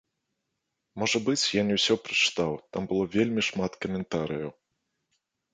Можа быць, я не ўсё прачытаў, там было вельмі шмат каментарыяў.